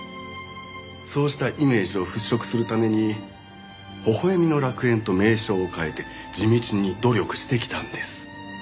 そうしたイメージを払拭するために微笑みの楽園と名称を変えて地道に努力してきたんです。